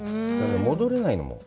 戻れないの、もう。